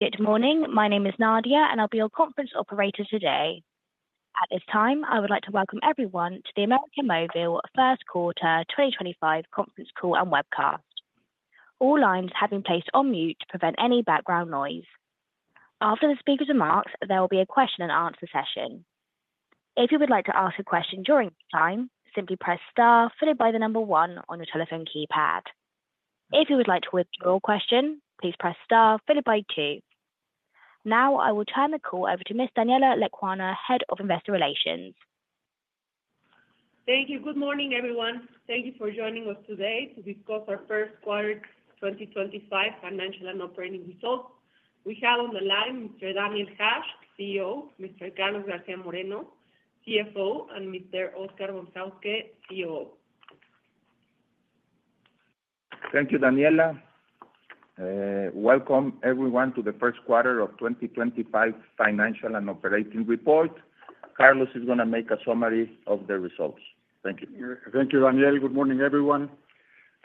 Good morning. My name is Nadia, and I'll be your conference operator today. At this time, I would like to welcome everyone to the América Móvil First Quarter 2025 Conference Call and Webcast. All lines have been placed on mute to prevent any background noise. After the speakers are marked, there will be a question-and-answer session. If you would like to ask a question during this time, simply press star followed by the number one on your telephone keypad. If you would like to withdraw a question, please press star followed by two. Now, I will turn the call over to Ms. Daniela Lecuona, Head of Investor Relations. Thank you. Good morning, everyone. Thank you for joining us today to discuss our First Quarter 2025 financial and operating results. We have on the line Mr. Daniel Hajj Aboumrad, CEO, Mr. Carlos García Moreno, CFO, and Mr. Oscar Von Hauske, COO. Thank you, Daniela. Welcome, everyone, to the first quarter of 2025 financial and operating report. Carlos is going to make a summary of the results. Thank you. Thank you, Daniela. Good morning, everyone.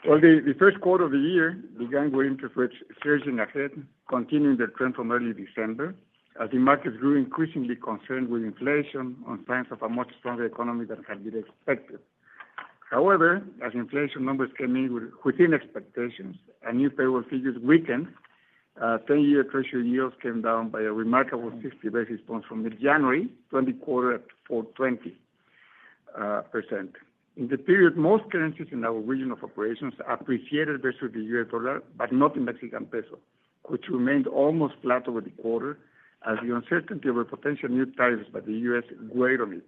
The first quarter of the year began with interest rates surging ahead, continuing the trend from early December, as the markets grew increasingly concerned with inflation on signs of a much stronger economy than had been expected. However, as inflation numbers came in within expectations, and new payroll figures weakened, 10-year Treasury Yields came down by a remarkable 60 basis points from mid-January to the quarter at 4.20%. In the period, most currencies in our region of operations appreciated versus the US dollar, but not the Mexican peso, which remained almost flat over the quarter, as the uncertainty over potential new tariffs by the US weighed on it.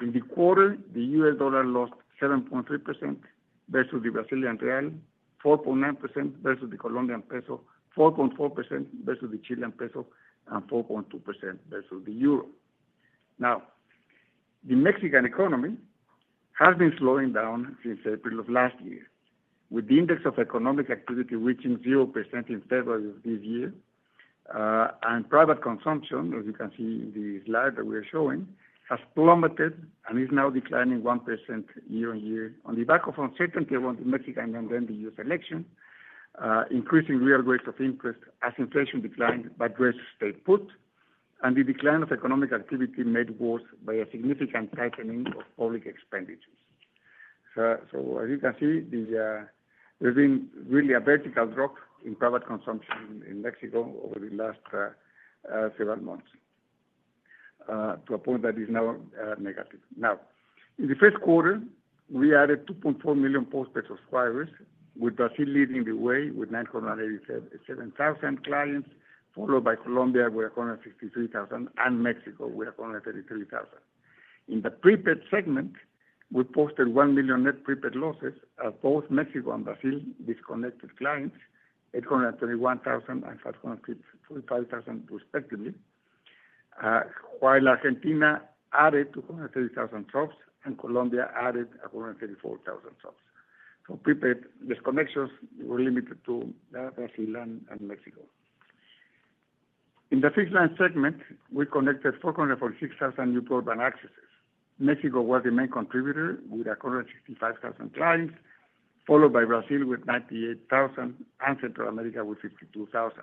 In the quarter, the US dollar lost 7.3% versus the Brazilian real, 4.9% versus the Colombian peso, 4.4% versus the Chilean peso, and 4.2% versus the euro. Now, the Mexican economy has been slowing down since April of last year, with the index of economic activity reaching 0% in February of this year. Private consumption, as you can see in the slide that we are showing, has plummeted and is now declining 1% year on year on the back of uncertainty around the Mexican and then the U.S. election, increasing real rates of interest as inflation declined but rates stayed put, and the decline of economic activity made worse by a significant tightening of public expenditures. As you can see, there has been really a vertical drop in private consumption in Mexico over the last several months to a point that is now negative. In the first quarter, we added 2.4 million postpaid wireless, with Brazil leading the way with 987,000 clients, followed by Colombia with 163,000 and Mexico with 133,000. In the prepaid segment, we posted 1 million net prepaid losses as both Mexico and Brazil disconnected clients at 131,000 and 545,000, respectively, while Argentina added 230,000 subs and Colombia added 134,000 subs. Prepaid disconnections were limited to Brazil and Mexico. In the fixed-line segment, we connected 446,000 new broadband accesses. Mexico was the main contributor with 165,000 clients, followed by Brazil with 98,000 and Central America with 52,000.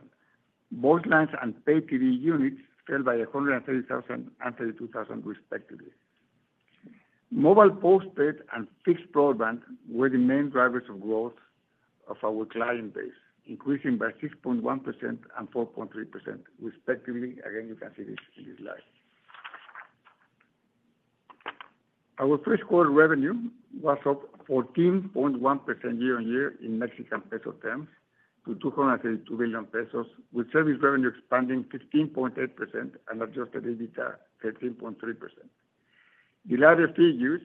Both lines and pay-TV units fell by 130,000 and 32,000, respectively. Mobile postpaid and fixed broadband were the main drivers of growth of our client base, increasing by 6.1% and 4.3%, respectively. Again, you can see this in this slide. Our first quarter revenue was up 14.1% year on year in Mexican peso terms to 232 billion pesos, with service revenue expanding 15.8% and adjusted EBITDA 13.3%. The latter figures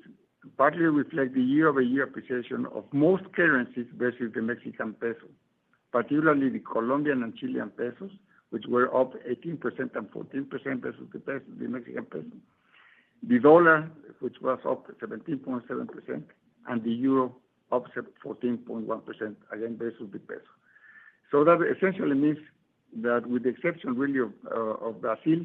partly reflect the year-over-year appreciation of most currencies versus the Mexican peso, particularly the Colombian and Chilean pesos, which were up 18% and 14% versus the Mexican peso. The dollar, which was up 17.7%, and the euro up 14.1%, again versus the peso. That essentially means that, with the exception really of Brazil,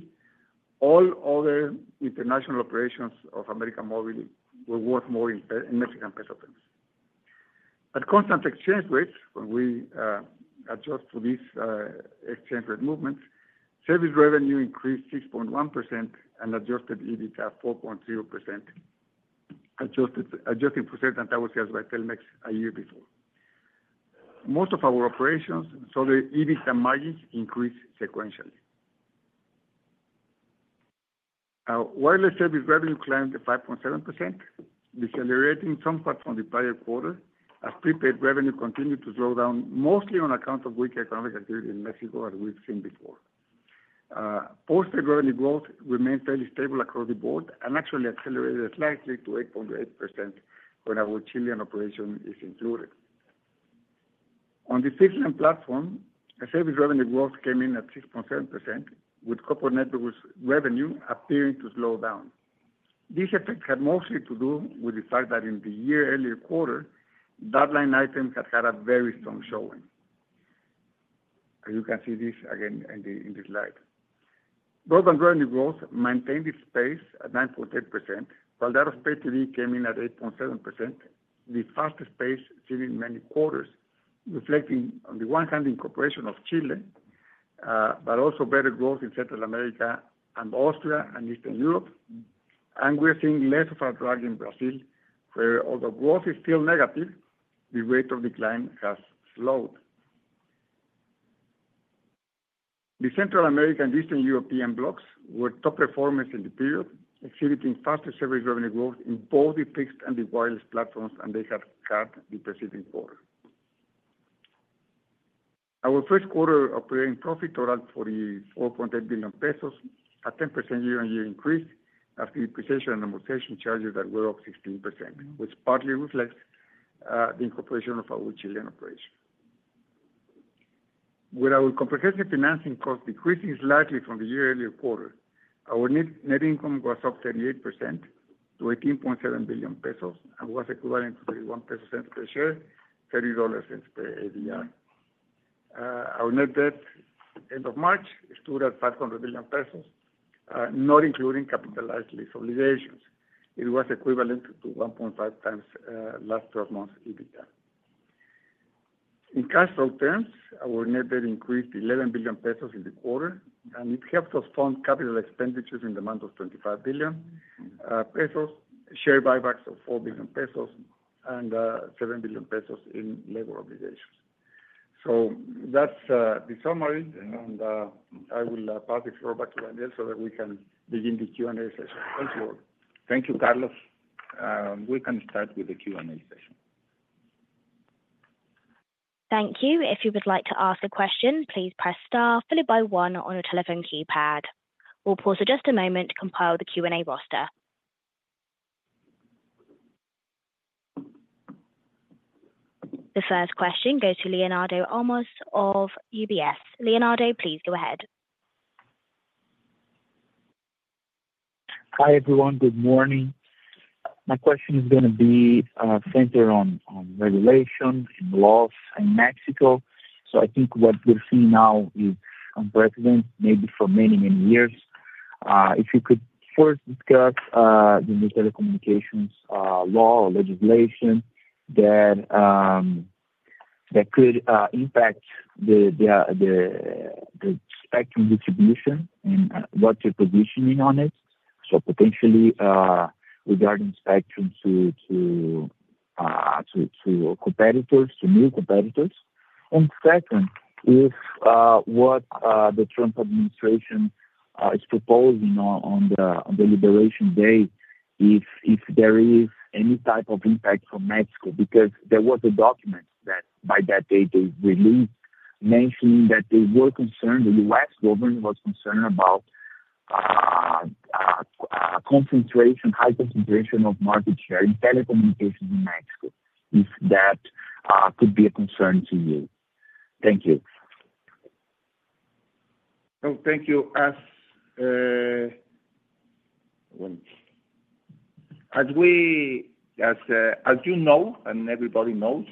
all other international operations of América Móvil were worth more in Mexican peso terms. At constant exchange rates, when we adjust for these exchange rate movements, service revenue increased 6.1% and adjusted EBITDA 4.0%, adjusting for sales and overseas by Telmex a year before. Most of our operations saw their EBITDA margins increase sequentially. Wireless service revenue climbed 5.7%, decelerating some part from the prior quarter, as prepaid revenue continued to slow down mostly on account of weaker economic activity in Mexico as we've seen before. Postpaid revenue growth remained fairly stable across the board and actually accelerated slightly to 8.8% when our Chilean operation is included. On the fixed-line platform, service revenue growth came in at 6.7%, with corporate net revenue appearing to slow down. This effect had mostly to do with the fact that in the year-earlier quarter, that line item had had a very strong showing. You can see this again in the slide. Broadband revenue growth maintained its pace at 9.8%, while that of pay-TV came in at 8.7%, the fastest pace seen in many quarters, reflecting, on the one hand, incorporation of Chile, but also better growth in Central America and Austria and Eastern Europe. We are seeing less of a drag in Brazil, where, although growth is still negative, the rate of decline has slowed. The Central American and Eastern European blocs were top performers in the period, exhibiting faster service revenue growth in both the fixed and the wireless platforms than they had had the preceding quarter. Our first quarter operating profit totaled 44.8 billion pesos, a 10% year-on-year increase as the depreciation and amortization charges that were up 16%, which partly reflects the incorporation of our Chilean operation. With our comprehensive financing costs decreasing slightly from the year-earlier quarter, our net income was up 38% to 18.7 billion pesos and was equivalent to 31 pesos per share, $30 per ADR. Our net debt end of March stood at 500 billion pesos, not including capitalized lease obligations. It was equivalent to 1.5 times last 12 months' EBITDA. In cash flow terms, our net debt increased 11 billion pesos in the quarter, and it helped us fund capital expenditures in the amount of 25 billion pesos, share buybacks of 4 billion pesos, and 7 billion pesos in labor obligations. That is the summary, and I will pass the floor back to Daniel so that we can begin the Q&A session. Thank you all. Thank you, Carlos. We can start with the Q&A session. Thank you. If you would like to ask a question, please press star followed by one on your telephone keypad. We'll pause for just a moment to compile the Q&A roster. The first question goes to Leonardo Olmos of UBS. Leonardo, please go ahead. Hi, everyone. Good morning. My question is going to be centered on regulation and laws in Mexico. I think what we're seeing now is unprecedented, maybe for many, many years. If you could first discuss the new telecommunications law or legislation that could impact the spectrum distribution and what your positioning on it, potentially regarding spectrum to competitors, to new competitors. Second, if what the Trump administration is proposing on the Liberation Day, if there is any type of impact for Mexico, because there was a document that by that date they released mentioning that they were concerned, the U.S. government was concerned about high concentration of market share in telecommunications in Mexico, if that could be a concern to you. Thank you. Oh, thank you. As you know and everybody knows,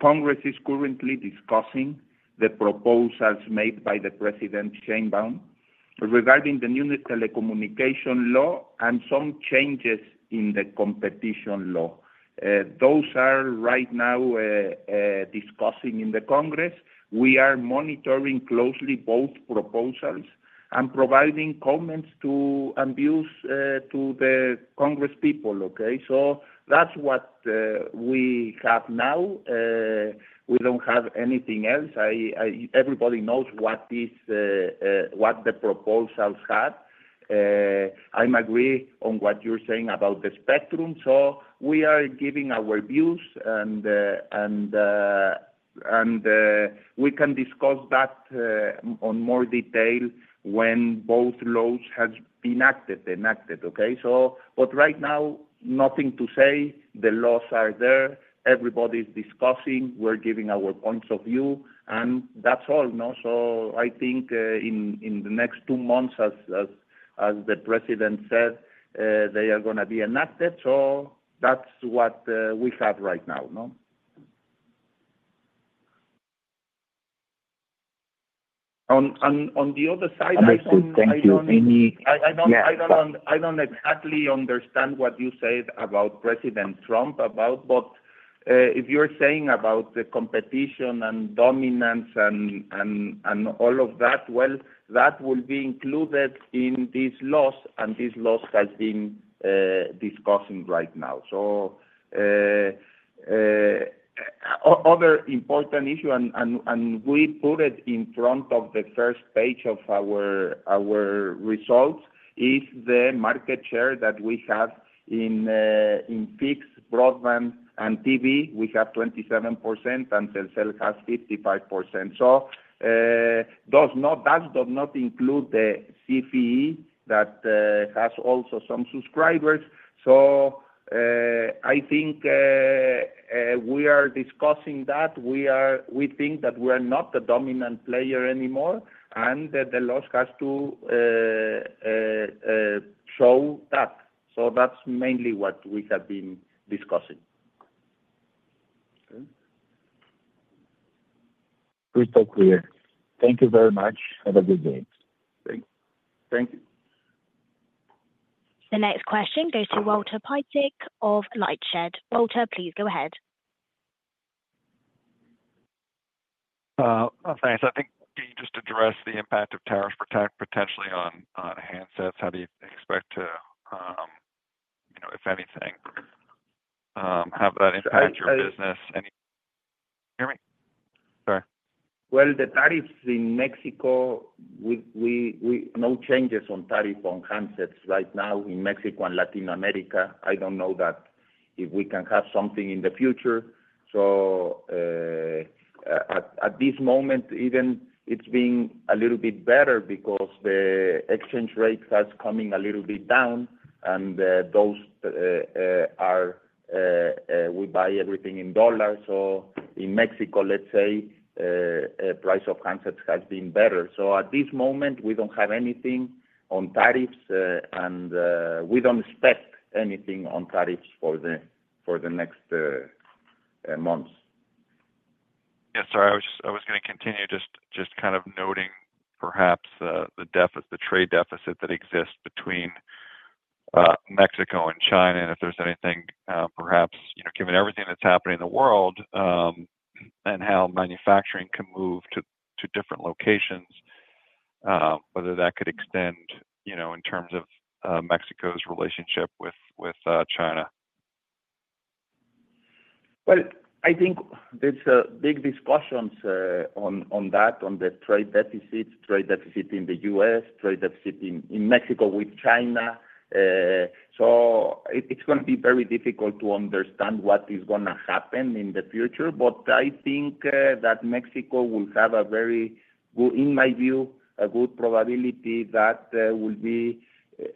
Congress is currently discussing the proposals made by President Sheinbaum regarding the new telecommunication law and some changes in the competition law. Those are right now discussing in the Congress. We are monitoring closely both proposals and providing comments and views to the Congress people, okay? That is what we have now. We do not have anything else. Everybody knows what the proposals have. I am agreeing on what you are saying about the spectrum. We are giving our views, and we can discuss that in more detail when both laws have been enacted, okay? Right now, nothing to say. The laws are there. Everybody is discussing. We are giving our points of view, and that is all. I think in the next two months, as the President said, they are going to be enacted. That is what we have right now. On the other side, I don't exactly understand what you said about President Trump, but if you're saying about the competition and dominance and all of that, that will be included in these laws, and these laws have been discussing right now. Another important issue, and we put it in front of the first page of our results, is the market share that we have in fixed broadband and TV. We have 27%, and Telcel has 55%. That does not include the CPE that has also some subscribers. I think we are discussing that. We think that we are not the dominant player anymore, and the laws have to show that. That's mainly what we have been discussing. Crystal clear. Thank you very much. Have a good day. Thank you. The next question goes to Walter Piecyk of LightShed. Walter, please go ahead. Thanks. I think you just addressed the impact of tariffs potentially on handsets. How do you expect to, if anything, have that impact your business? Can you hear me? Sorry. The tariffs in Mexico, no changes on tariff on handsets right now in Mexico and Latin America. I do not know if we can have something in the future. At this moment, even it has been a little bit better because the exchange rate has come in a little bit down, and those are we buy everything in dollars. In Mexico, let's say, price of handsets has been better. At this moment, we do not have anything on tariffs, and we do not expect anything on tariffs for the next months. Yeah, sorry. I was going to continue just kind of noting perhaps the trade deficit that exists between Mexico and China, and if there's anything, perhaps given everything that's happening in the world and how manufacturing can move to different locations, whether that could extend in terms of Mexico's relationship with China. I think there's big discussions on that, on the trade deficit, trade deficit in the U.S., trade deficit in Mexico with China. It is going to be very difficult to understand what is going to happen in the future, but I think that Mexico will have a very good, in my view, a good probability that there will be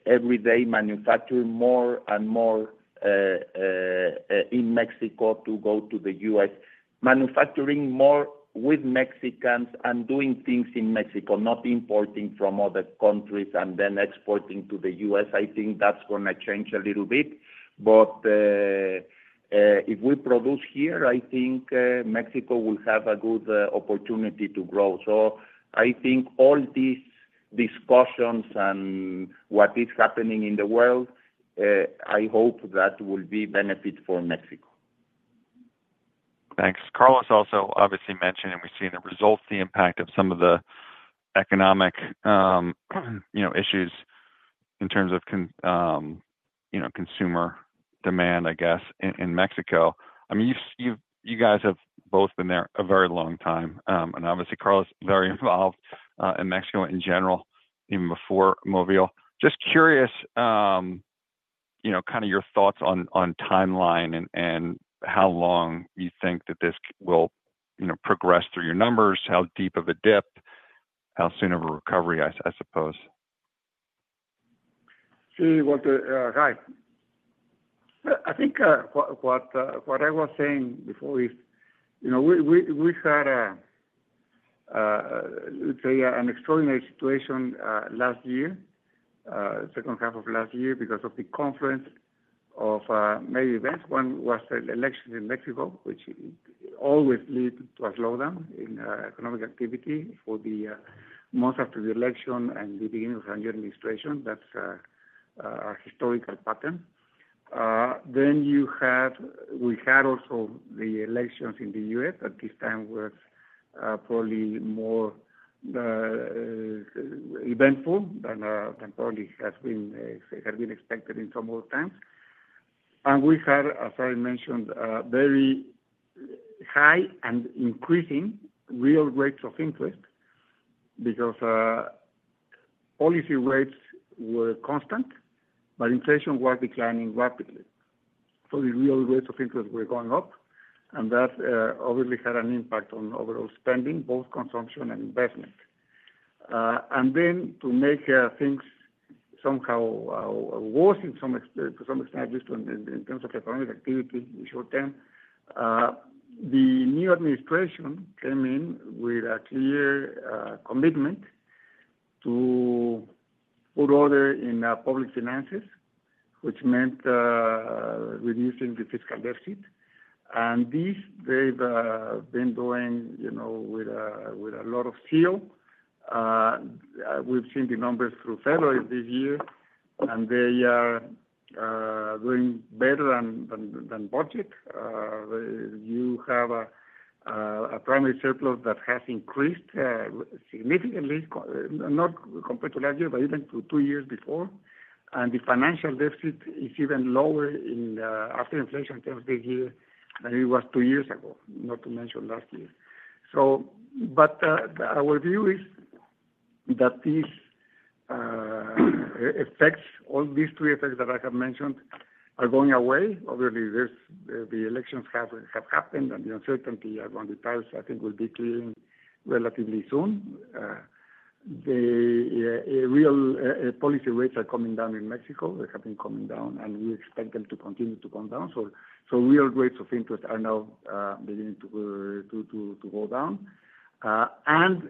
every day manufacturing more and more in Mexico to go to the U.S., manufacturing more with Mexicans and doing things in Mexico, not importing from other countries and then exporting to the U.S. I think that's going to change a little bit. If we produce here, I think Mexico will have a good opportunity to grow. I think all these discussions and what is happening in the world, I hope that will be benefit for Mexico. Thanks. Carlos also obviously mentioned, and we've seen the results, the impact of some of the economic issues in terms of consumer demand, I guess, in Mexico. I mean, you guys have both been there a very long time, and obviously, Carlos is very involved in Mexico in general, even before América Móvil. Just curious kind of your thoughts on timeline and how long you think that this will progress through your numbers, how deep of a dip, how soon of a recovery, I suppose. Hi. I think what I was saying before is we had, let's say, an extraordinary situation last year, second half of last year, because of the confluence of many events. One was the elections in Mexico, which always lead to a slowdown in economic activity for the month after the election and the beginning of the new administration. That's a historical pattern. We had also the elections in the U.S., but this time was probably more eventful than probably has been expected in some other times. We had, as I mentioned, very high and increasing real rates of interest because policy rates were constant, but inflation was declining rapidly. The real rates of interest were going up, and that obviously had an impact on overall spending, both consumption and investment. To make things somehow worse to some extent in terms of economic activity in the short term, the new administration came in with a clear commitment to put order in public finances, which meant reducing the fiscal deficit. This they have been doing with a lot of zeal. We have seen the numbers through February this year, and they are doing better than budget. You have a primary surplus that has increased significantly, not compared to last year, but even to two years before. The financial deficit is even lower after inflation terms this year than it was two years ago, not to mention last year. Our view is that these effects, all these three effects that I have mentioned, are going away. Obviously, the elections have happened, and the uncertainty around the tariffs, I think, will be clearing relatively soon. Real policy rates are coming down in Mexico. They have been coming down, and we expect them to continue to come down. Real rates of interest are now beginning to go down.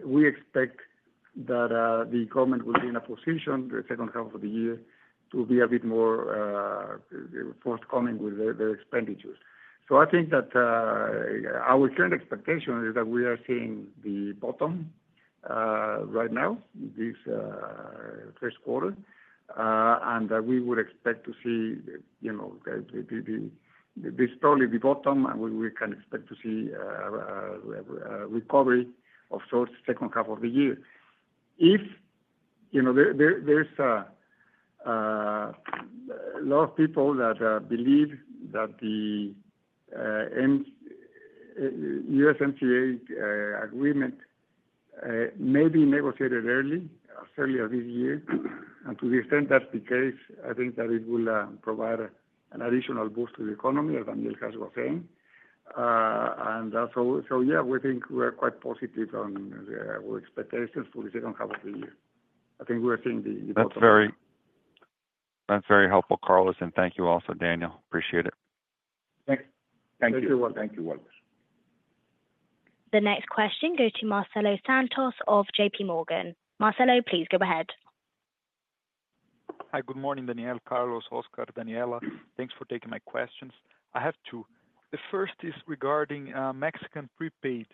We expect that the government will be in a position, the second half of the year, to be a bit more forthcoming with their expenditures. I think that our current expectation is that we are seeing the bottom right now, this first quarter, and that we would expect to see this is probably the bottom, and we can expect to see a recovery of sorts the second half of the year. If there's a lot of people that believe that the USMCA agreement may be negotiated early, as early as this year, to the extent that's the case, I think that it will provide an additional boost to the economy, as Daniel Hajj Aboumrad was saying. Yeah, we think we're quite positive on our expectations for the second half of the year. I think we're seeing the bottom. That's very helpful, Carlos. Thank you also, Daniel. Appreciate it. Thank you. Thank you all. The next question goes to Marcelo Santos of JPMorgan. Marcelo, please go ahead. Hi, good morning, Daniel, Carlos, Oscar, Daniela. Thanks for taking my questions. I have two. The first is regarding Mexican prepaid.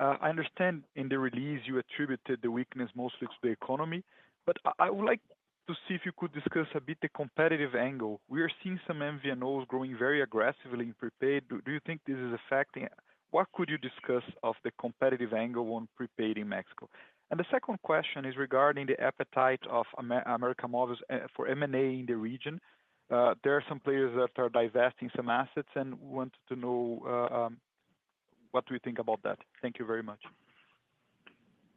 I understand in the release you attributed the weakness mostly to the economy, but I would like to see if you could discuss a bit the competitive angle. We are seeing some MVNOs growing very aggressively in prepaid. Do you think this is affecting? What could you discuss of the competitive angle on prepaid in Mexico? The second question is regarding the appetite of América Móvil for M&A in the region. There are some players that are divesting some assets, and we want to know what do you think about that. Thank you very much.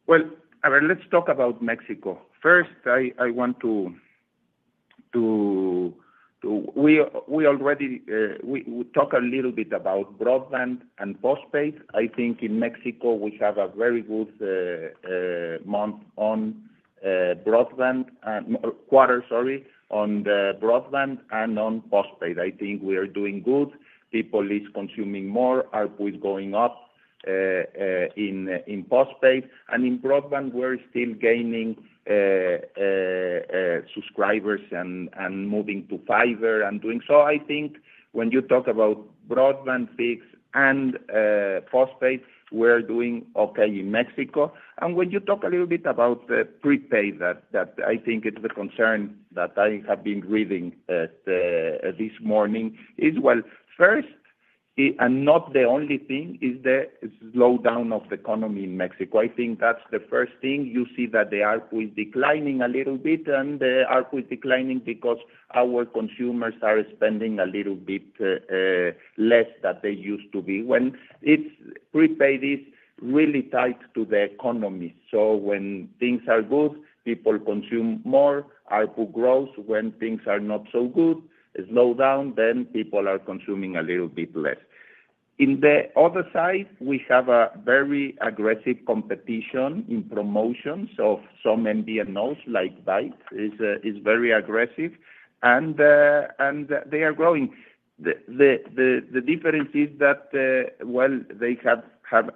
Let's talk about Mexico. First, I want to—we already talked a little bit about broadband and postpaid. I think in Mexico, we have a very good month on broadband, quarter, sorry, on the broadband and on postpaid. I think we are doing good. People are consuming more. ARPU are going up in postpaid. In broadband, we're still gaining subscribers and moving to fiber and doing so. I think when you talk about broadband fix and postpaid, we're doing okay in Mexico. When you talk a little bit about the prepaid, that I think is the concern that I have been reading this morning, is, first, and not the only thing, is the slowdown of the economy in Mexico. I think that's the first thing. You see that the ARPU is declining a little bit, and the ARPU is declining because our consumers are spending a little bit less than they used to be. When it's prepaid, it's really tied to the economy. When things are good, people consume more. ARPU grows. When things are not so good, slowdown, then people are consuming a little bit less. On the other side, we have a very aggressive competition in promotions of some MVNOs like Bitė. It's very aggressive, and they are growing. The difference is that, well, they have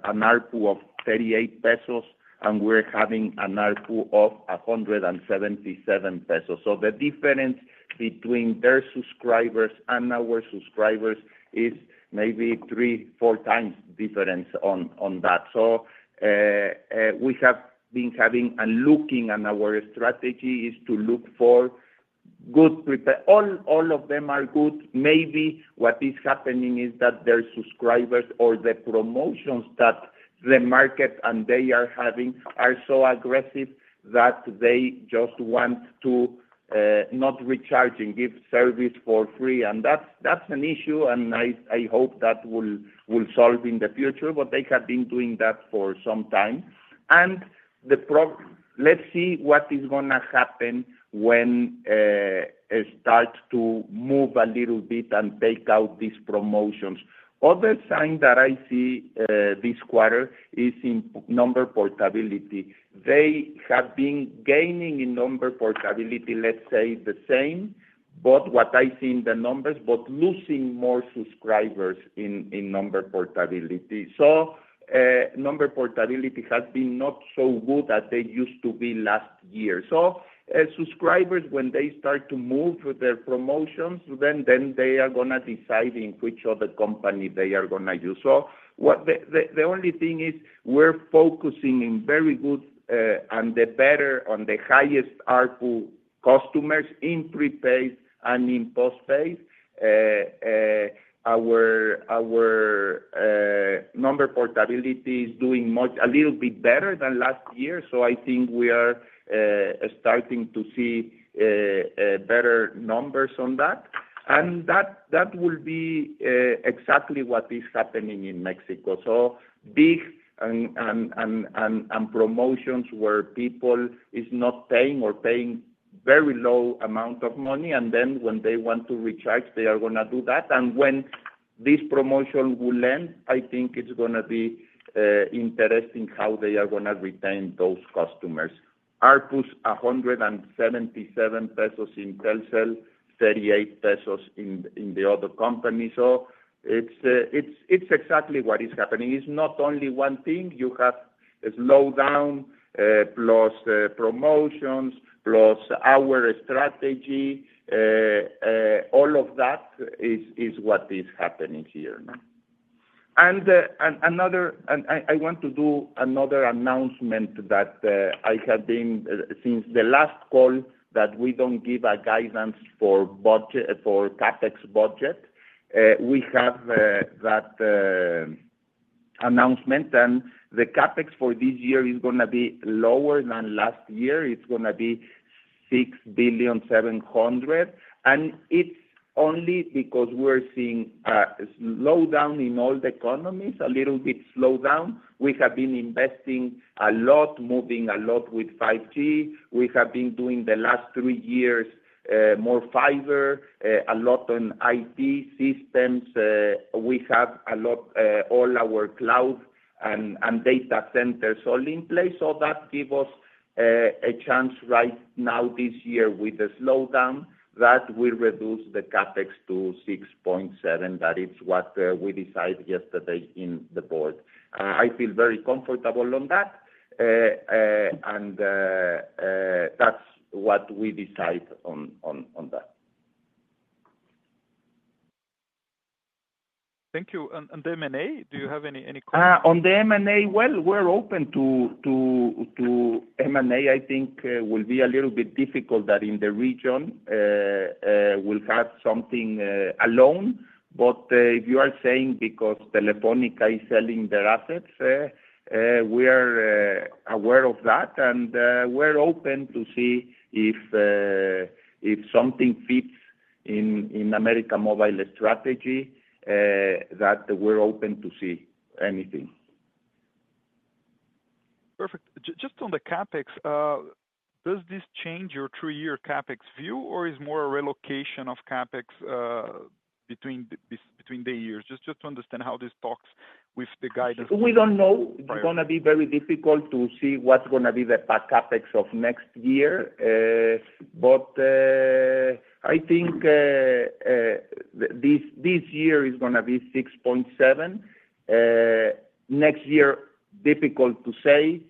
an ARPU of 38 pesos, and we're having an ARPU of 177 pesos. The difference between their subscribers and our subscribers is maybe three, four times difference on that. We have been having and looking at our strategy is to look for good prepaid. All of them are good. Maybe what is happening is that their subscribers or the promotions that the market and they are having are so aggressive that they just want to not recharge and give service for free. That is an issue, and I hope that will solve in the future, but they have been doing that for some time. Let's see what is going to happen when they start to move a little bit and take out these promotions. Another sign that I see this quarter is in number portability. They have been gaining in number portability, let's say the same, but what I see in the numbers, but losing more subscribers in number portability. Number portability has been not so good as they used to be last year. Subscribers, when they start to move their promotions, they are going to decide in which other company they are going to use. The only thing is we are focusing in very good and the better on the highest ARPU customers in prepaid and in postpaid. Our number portability is doing a little bit better than last year. I think we are starting to see better numbers on that. That will be exactly what is happening in Mexico. Big and promotions where people are not paying or paying very low amount of money, and when they want to recharge, they are going to do that. When this promotion will end, I think it is going to be interesting how they are going to retain those customers. ARPUs are 177 pesos in Telcel, 38 pesos in the other company. It is exactly what is happening. It's not only one thing. You have a slowdown plus promotions plus our strategy. All of that is what is happening here now. I want to do another announcement that I have been since the last call that we don't give a guidance for CapEx budget. We have that announcement, and the CapEx for this year is going to be lower than last year. It's going to be 6.7 billion. It's only because we're seeing a slowdown in all the economies, a little bit slowdown. We have been investing a lot, moving a lot with 5G. We have been doing the last three years more fiber, a lot on IT systems. We have a lot all our cloud and data centers all in place. That gives us a chance right now this year with the slowdown that we reduce the CapEx to 6.7 billion. That is what we decided yesterday in the board. I feel very comfortable on that, and that's what we decide on that. Thank you. Do you have any comments on the M&A? On the M&A, well, we're open to M&A. I think it will be a little bit difficult that in the region we'll have something alone. If you are saying because Telefónica is selling their assets, we are aware of that, and we're open to see if something fits in América Móvil strategy, that we're open to see anything. Perfect. Just on the CapEx, does this change your two-year CapEx view, or is it more a relocation of CapEx between the years? Just to understand how this talks with the guidance. We don't know. It's going to be very difficult to see what's going to be the CapEx of next year. I think this year is going to be 6.7 billion. Next year, difficult to say,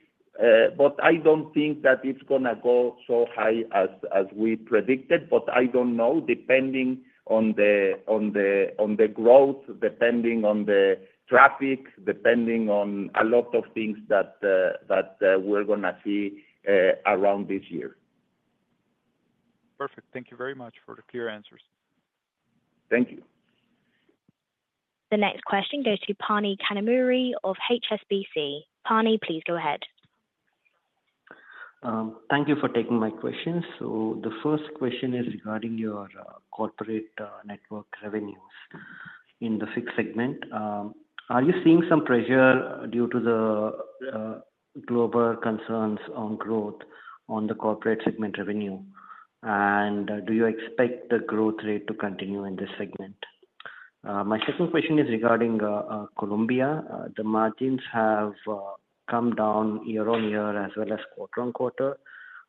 I don't think that it's going to go so high as we predicted. I don't know, depending on the growth, depending on the traffic, depending on a lot of things that we're going to see around this year. Perfect. Thank you very much for the clear answers. Thank you. The next question goes to Phani Kanumuri of HSBC. Phani, please go ahead. Thank you for taking my questions. The first question is regarding your corporate network revenues in the fixed segment. Are you seeing some pressure due to the global concerns on growth on the corporate segment revenue, and do you expect the growth rate to continue in this segment? My second question is regarding Colombia. The margins have come down year on year as well as quarter on quarter.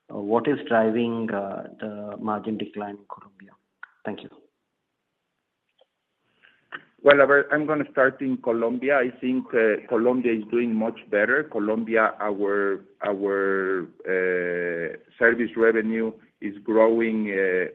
What is driving the margin decline in Colombia? Thank you. I'm going to start in Colombia. I think Colombia is doing much better. Colombia, our service revenue is growing 6%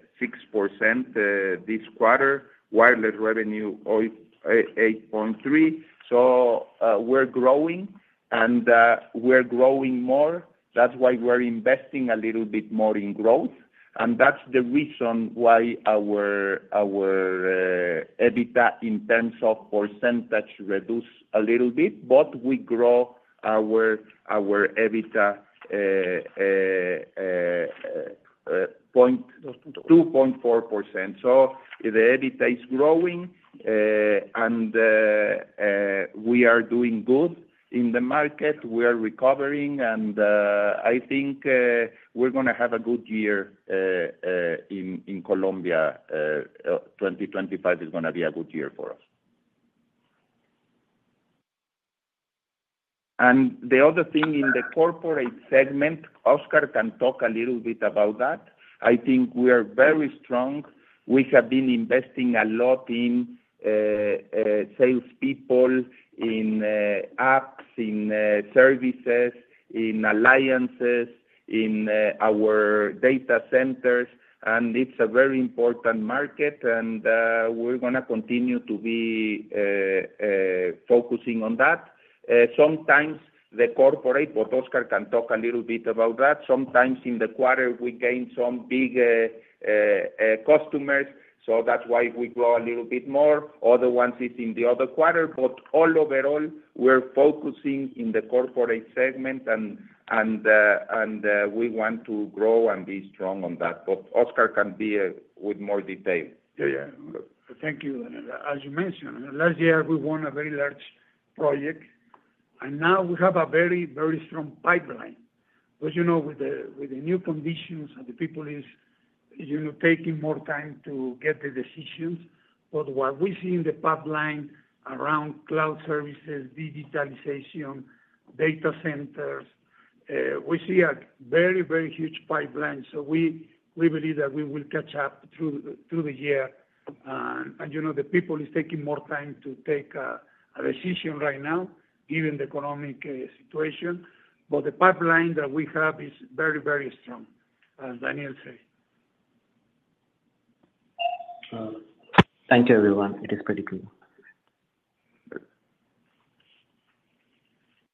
this quarter. Wireless revenue, 8.3%. We are growing, and we are growing more. That's why we are investing a little bit more in growth. That is the reason why our EBITDA in terms of percentage reduced a little bit, but we grow our EBITDA point. 2.4. 2.4%. The EBITDA is growing, and we are doing good in the market. We are recovering, and I think we're going to have a good year in Colombia. 2025 is going to be a good year for us. The other thing in the corporate segment, Oscar can talk a little bit about that. I think we are very strong. We have been investing a lot in salespeople, in apps, in services, in alliances, in our data centers, and it's a very important market, and we're going to continue to be focusing on that. Sometimes the corporate, but Oscar can talk a little bit about that. Sometimes in the quarter, we gain some big customers, so that's why we grow a little bit more. Other ones is in the other quarter, but overall, we're focusing in the corporate segment, and we want to grow and be strong on that. Oscar can be with more detail. Yeah, yeah. Thank you. As you mentioned, last year, we won a very large project, and now we have a very, very strong pipeline. With the new conditions and the people taking more time to get the decisions, what we see in the pipeline around cloud services, digitalization, data centers, we see a very, very huge pipeline. We believe that we will catch up through the year. The people are taking more time to take a decision right now, given the economic situation. The pipeline that we have is very, very strong, as Daniel said. Thank you, everyone. It is pretty good.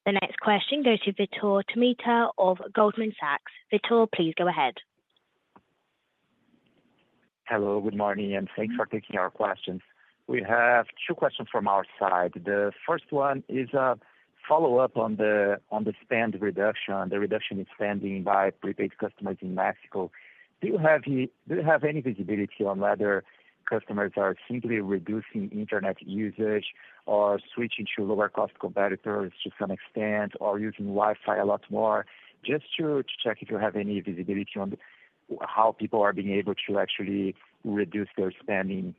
The next question goes to Vitor Tomita of Goldman Sachs. Vitor, please go ahead. Hello, good morning, and thanks for taking our questions. We have two questions from our side. The first one is a follow-up on the spend reduction, the reduction in spending by prepaid customers in Mexico. Do you have any visibility on whether customers are simply reducing internet usage or switching to lower-cost competitors to some extent or using Wi-Fi a lot more? Just to check if you have any visibility on how people are being able to actually reduce their spending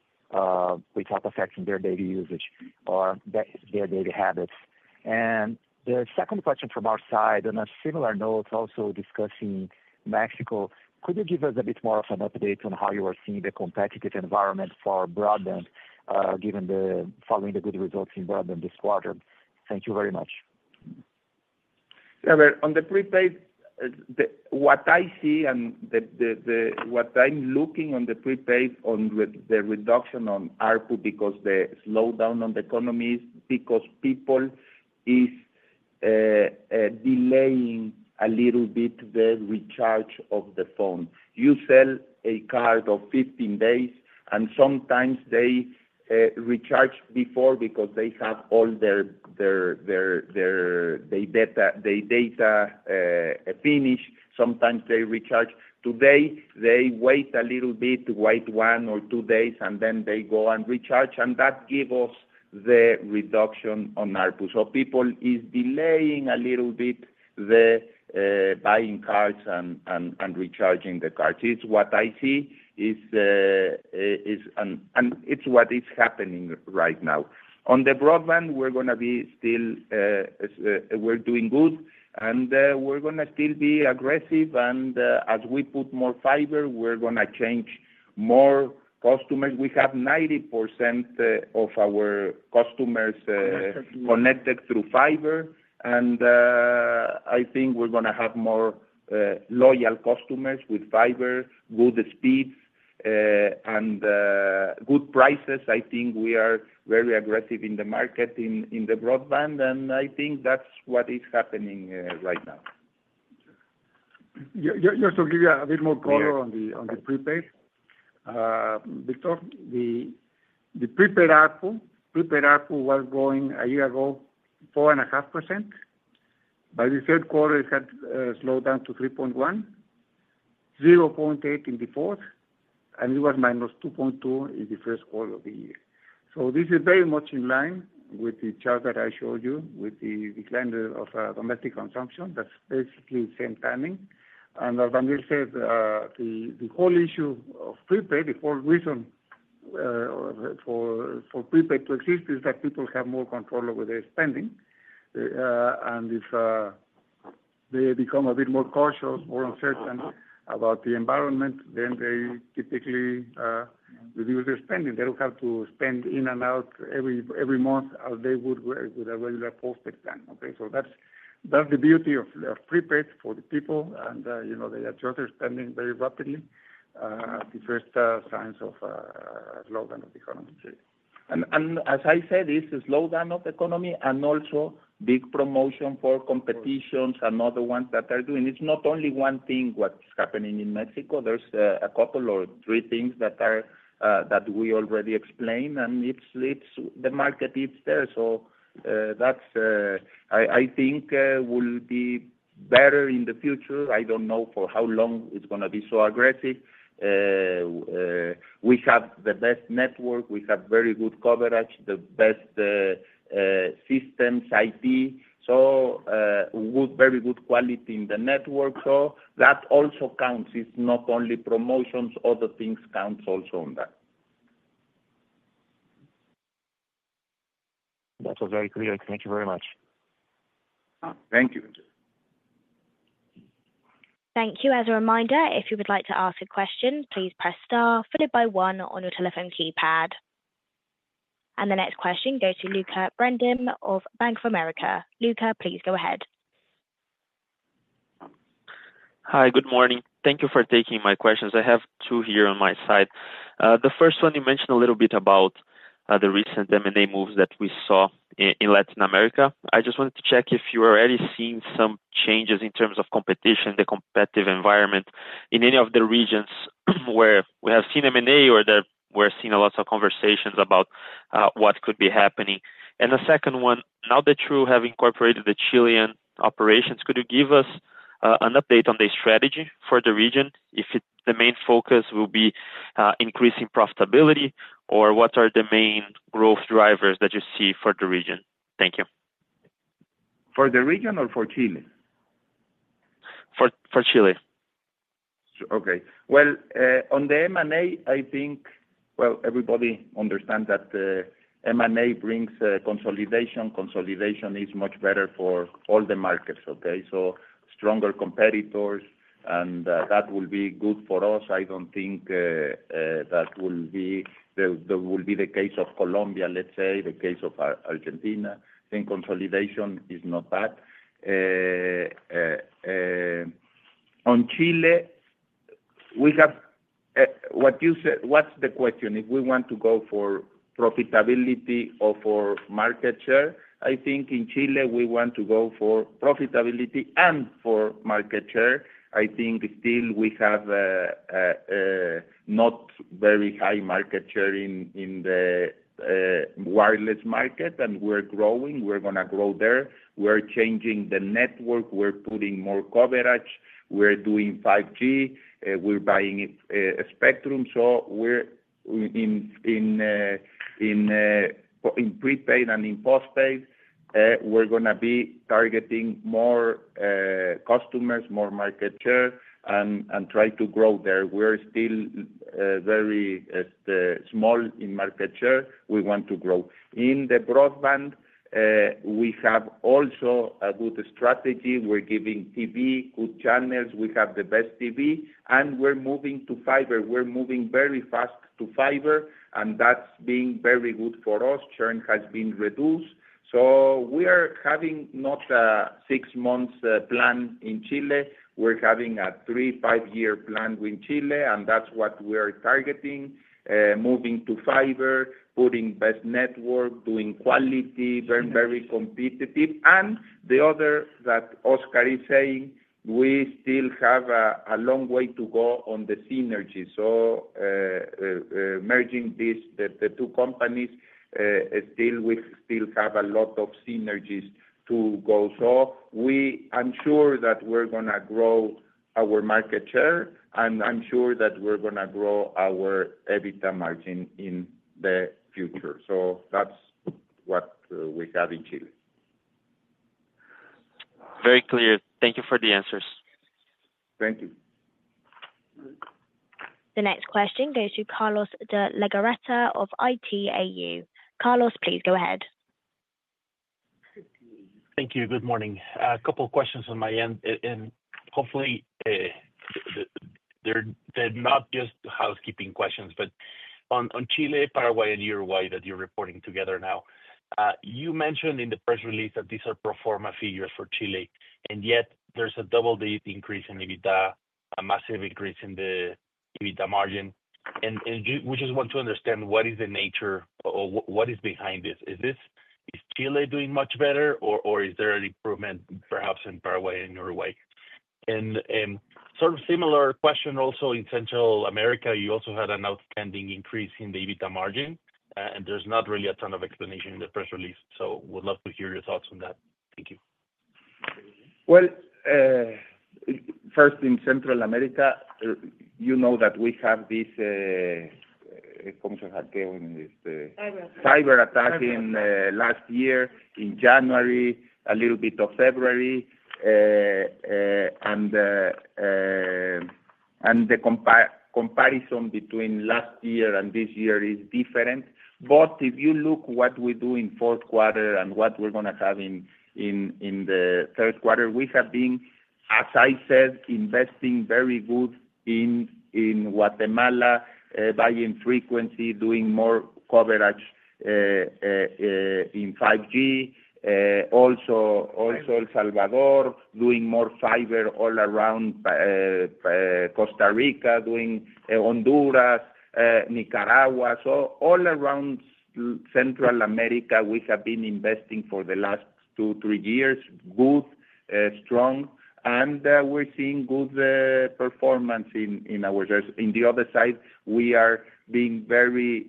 without affecting their daily usage or their daily habits. The second question from our side on a similar note, also discussing Mexico, could you give us a bit more of an update on how you are seeing the competitive environment for broadband given the following good results in broadband this quarter? Thank you very much. On the prepaid, what I see and what I'm looking on the prepaid on the reduction on ARPU because the slowdown on the economy is because people are delaying a little bit the recharge of the phone. You sell a card of 15 days, and sometimes they recharge before because they have all their data finished. Sometimes they recharge. Today, they wait a little bit, wait one or two days, and then they go and recharge, and that gives us the reduction on ARPU. People are delaying a little bit the buying cards and recharging the cards. It's what I see, and it's what is happening right now. On the broadband, we're going to be still doing good, and we're going to still be aggressive. As we put more fiber, we're going to change more customers. We have 90% of our customers connected through fiber, and I think we're going to have more loyal customers with fiber, good speeds, and good prices. I think we are very aggressive in the market in the broadband, and I think that's what is happening right now. Just to give you a bit more color on the prepaid, Vitor, the prepaid ARPU was growing a year ago 4.5%. By the third quarter, it had slowed down to 3.1%, 0.8% in the fourth, and it was minus 2.2% in the first quarter of the year. This is very much in line with the chart that I showed you with the decline of domestic consumption. That is basically the same timing. As Daniel said, the whole issue of prepaid, the whole reason for prepaid to exist is that people have more control over their spending. If they become a bit more cautious, more uncertain about the environment, then they typically reduce their spending. They do not have to spend in and out every month as they would with a regular postpaid plan. Okay? That's the beauty of prepaid for the people, and they adjust their spending very rapidly. The first signs of slowdown of the economy. As I said, it's the slowdown of the economy and also big promotion for competition and other ones that are doing. It's not only one thing what's happening in Mexico. There are a couple or three things that we already explained, and the market is there. I think it will be better in the future. I don't know for how long it's going to be so aggressive. We have the best network. We have very good coverage, the best systems, IT. Very good quality in the network. That also counts. It's not only promotions. Other things count also on that. That was very clear. Thank you very much. Thank you. Thank you. As a reminder, if you would like to ask a question, please press star followed by one on your telephone keypad. The next question goes to Lucca Brendim of Bank of America. Lucca, please go ahead. Hi, good morning. Thank you for taking my questions. I have two here on my side. The first one, you mentioned a little bit about the recent M&A moves that we saw in Latin America. I just wanted to check if you were already seeing some changes in terms of competition, the competitive environment in any of the regions where we have seen M&A or where we're seeing lots of conversations about what could be happening. The second one, now that you have incorporated the Chilean operations, could you give us an update on the strategy for the region if the main focus will be increasing profitability or what are the main growth drivers that you see for the region? Thank you. For the region or for Chile? For Chile. Okay. On the M&A, I think everybody understands that M&A brings consolidation. Consolidation is much better for all the markets, okay? Stronger competitors, and that will be good for us. I do not think that will be the case of Colombia, let's say, the case of Argentina. I think consolidation is not bad. On Chile, what is the question? If we want to go for profitability or for market share, I think in Chile we want to go for profitability and for market share. I think still we have not very high market share in the wireless market, and we are growing. We are going to grow there. We are changing the network. We are putting more coverage. We are doing 5G. We are buying spectrum. In prepaid and in postpaid, we are going to be targeting more customers, more market share, and try to grow there. We're still very small in market share. We want to grow. In the broadband, we have also a good strategy. We're giving TV, good channels. We have the best TV, and we're moving to fiber. We're moving very fast to fiber, and that's been very good for us. Churn has been reduced. We are having not a six-month plan in Chile. We are having a three, five-year plan with Chile, and that's what we are targeting, moving to fiber, putting best network, doing quality, very competitive. The other that Oscar is saying, we still have a long way to go on the synergy. Merging the two companies, we still have a lot of synergies to go. I'm sure that we're going to grow our market share, and I'm sure that we're going to grow our EBITDA margin in the future. That's what we have in Chile. Very clear. Thank you for the answers. Thank you. The next question goes to Carlos de Legarreta of Itaú. Carlos, please go ahead. Thank you. Good morning. A couple of questions on my end, and hopefully, they're not just housekeeping questions, but on Chile, Paraguay, and Uruguay that you're reporting together now, you mentioned in the press release that these are proforma figures for Chile, and yet there's a double-digit increase in EBITDA, a massive increase in the EBITDA margin. We just want to understand what is the nature or what is behind this. Is Chile doing much better, or is there an improvement perhaps in Paraguay and Uruguay? A sort of similar question also in Central America, you also had an outstanding increase in the EBITDA margin, and there's not really a ton of explanation in the press release. We'd love to hear your thoughts on that. Thank you. First, in Central America, you know that we have this—how come you said that? Cyber attack. Cyber attack in last year, in January, a little bit of February. The comparison between last year and this year is different. If you look at what we do in fourth quarter and what we're going to have in the third quarter, we have been, as I said, investing very good in Guatemala, buying frequency, doing more coverage in 5G. Also, El Salvador doing more fiber all around Costa Rica, doing Honduras, Nicaragua. All around Central America, we have been investing for the last two, three years, good, strong, and we're seeing good performance in our—in the other side, we are being very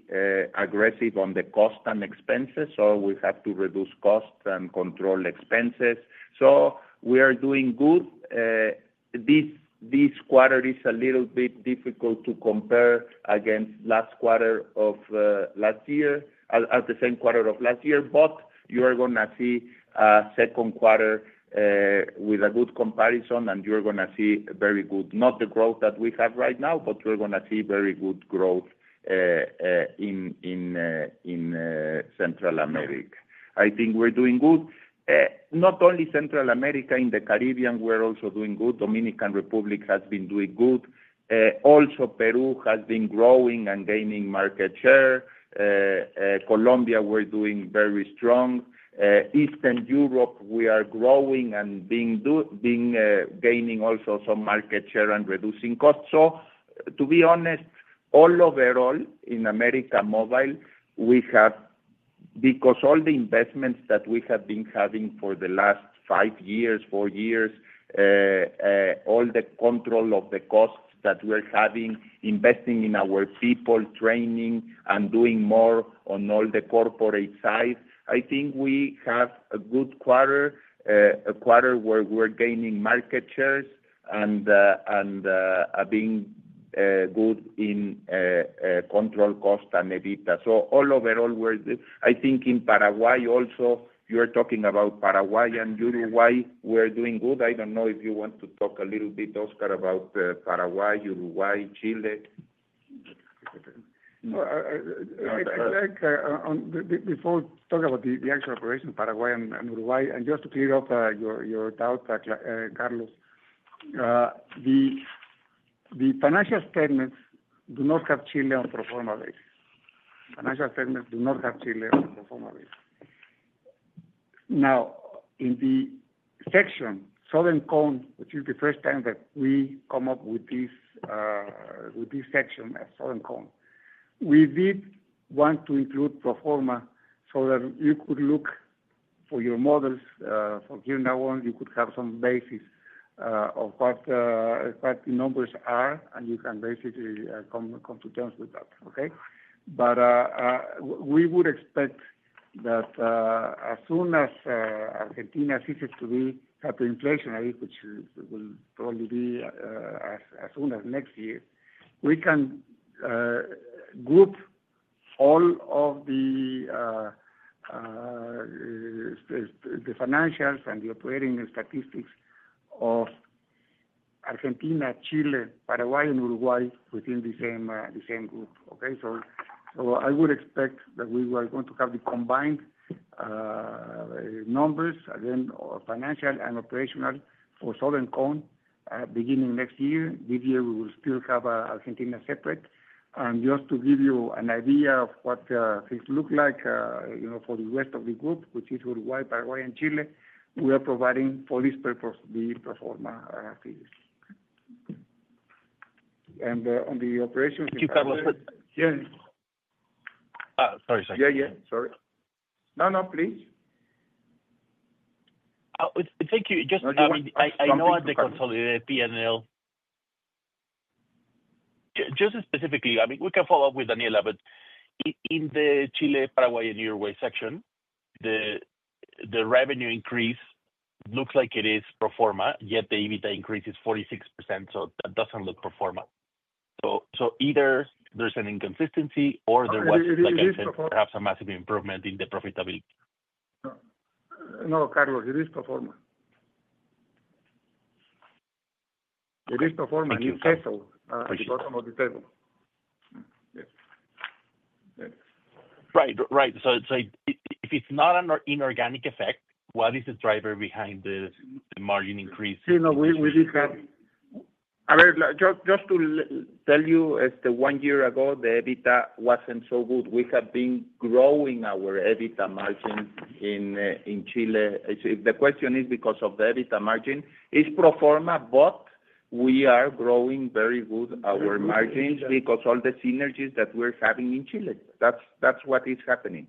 aggressive on the cost and expenses. We have to reduce costs and control expenses. We are doing good. This quarter is a little bit difficult to compare against last quarter of last year, at the same quarter of last year, but you are going to see a second quarter with a good comparison, and you're going to see very good—not the growth that we have right now, but you're going to see very good growth in Central America. I think we're doing good. Not only Central America, in the Caribbean, we're also doing good. Dominican Republic has been doing good. Also, Peru has been growing and gaining market share. Colombia, we're doing very strong. Eastern Europe, we are growing and gaining also some market share and reducing costs. To be honest, overall, in América Móvil, we have, because all the investments that we have been having for the last five years, four years, all the control of the costs that we're having, investing in our people, training, and doing more on all the corporate side, I think we have a good quarter, a quarter where we're gaining market shares and being good in control cost and EBITDA. Overall, I think in Paraguay also, you're talking about Paraguay and Uruguay, we're doing good. I don't know if you want to talk a little bit, Oscar, about Paraguay, Uruguay, Chile. Before we talk about the actual operation, Paraguay and Uruguay, and just to clear up your doubt, Carlos, the financial statements do not have Chile on proforma basis. Financial statements do not have Chile on proforma basis. Now, in the section Southern Cone, which is the first time that we come up with this section as Southern Cone, we did want to include proforma so that you could look for your models. From here now on, you could have some basis of what the numbers are, and you can basically come to terms with that, okay? We would expect that as soon as Argentina ceases to be hyperinflationary, which will probably be as soon as next year, we can group all of the financials and the operating statistics of Argentina, Chile, Paraguay, and Uruguay within the same group, okay? I would expect that we were going to have the combined numbers, again, financial and operational for Southern Cone beginning next year. This year, we will still have Argentina separate. Just to give you an idea of what things look like for the rest of the group, which is Uruguay, Paraguay, and Chile, we are providing for this purpose the proforma figures. On the operations and. Carlos. Sorry, sorry. Yeah, yeah. Sorry. No, no, please. Thank you. Just. I know I've been consolidating P&L. Just specifically, I mean, we can follow up with Daniel, but in the Chile, Paraguay, and Uruguay section, the revenue increase looks like it is proforma, yet the EBITDA increase is 46%. That does not look proforma. Either there is an inconsistency or there was, like I said, perhaps a massive improvement in the profitability. No, Carlos, it is proforma. It is proforma in the table. Thank you. It's also on the table. Right, right. If it's not an inorganic effect, what is the driver behind the margin increase? See, no, we did have. I mean, just to tell you, one year ago, the EBITDA was not so good. We have been growing our EBITDA margin in Chile. The question is because of the EBITDA margin, it is proforma, but we are growing very well our margins because of the synergies that we are having in Chile. That is what is happening.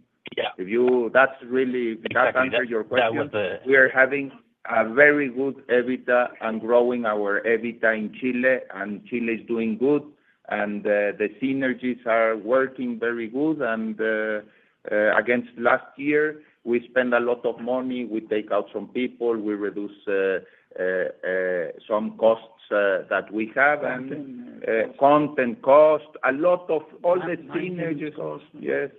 If you—that is really—if that answers your question. That was the. We are having a very good EBITDA and growing our EBITDA in Chile, and Chile is doing good, and the synergies are working very good. Against last year, we spend a lot of money. We take out some people. We reduce some costs that we have and content cost, a lot of all the synergies. Maintenance cost. Yes.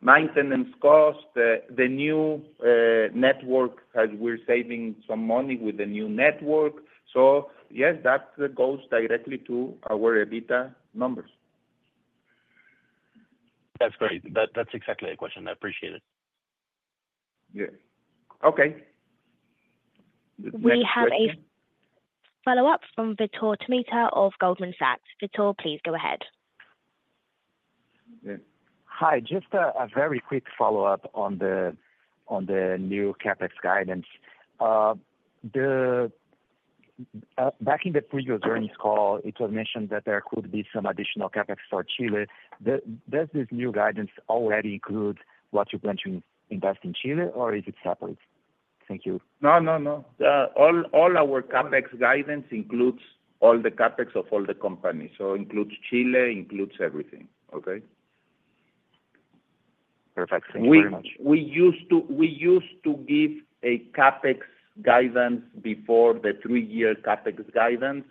Maintenance cost, the new network, as we're saving some money with the new network. Yes, that goes directly to our EBITDA numbers. That's great. That's exactly the question. I appreciate it. Yes. Okay. We have a follow-up from Vitor Tomita of Goldman Sachs. Vitor, please go ahead. Hi. Just a very quick follow-up on the new CapEx guidance. Back in the previous earnings call, it was mentioned that there could be some additional CapEx for Chile. Does this new guidance already include what you plan to invest in Chile, or is it separate? Thank you. No, no, no. All our CapEx guidance includes all the CapEx of all the companies. So it includes Chile, includes everything, okay? Perfect. Thank you very much. We used to give a CapEx guidance before the three-year CapEx guidance.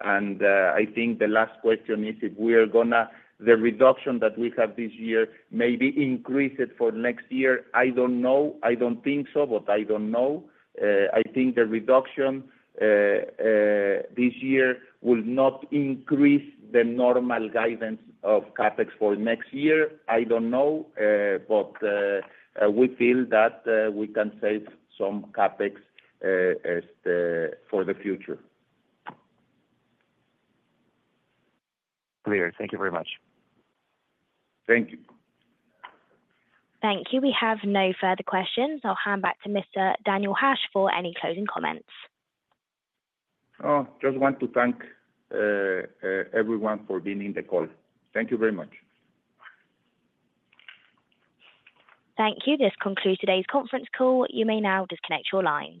I think the last question is if we are going to—the reduction that we have this year may be increased for next year. I do not know. I do not think so, but I do not know. I think the reduction this year will not increase the normal guidance of CapEx for next year. I do not know, but we feel that we can save some CapEx for the future. Clear. Thank you very much. Thank you. Thank you. We have no further questions. I'll hand back to Mr. Daniel Hajj for any closing comments. Oh, just want to thank everyone for being in the call. Thank you very much. Thank you. This concludes today's conference call. You may now disconnect your lines.